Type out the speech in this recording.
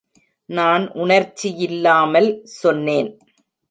நான் உணர்ச்சியில்லாமல் சொன்னேன்.